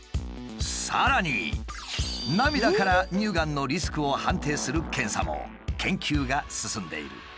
さらに涙から乳がんのリスクを判定する検査も研究が進んでいる。